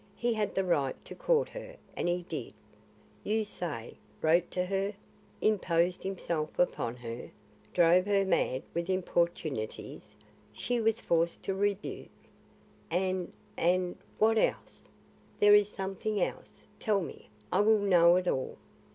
He had the right to court her and he did, you say; wrote to her; imposed himself upon her, drove her mad with importunities she was forced to rebuke; and and what else? There is something else. Tell me; I will know it all."